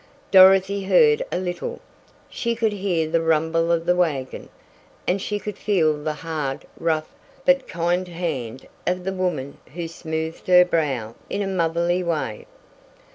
Dorothy heard a little she could hear the rumble of the wagon, and she could feel the hard, rough, but kind hand of the woman who smoothed her brow in a motherly way.